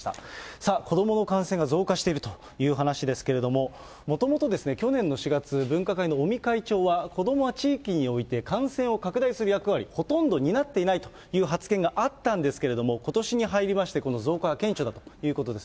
さあ、子どもの感染が増加しているという話ですけれども、もともと去年の４月、分科会の尾身会長は、子どもは地域において、感染を拡大する役割をほとんど担っていないという発言があったんですけれども、ことしに入りまして、この増加が顕著だということです。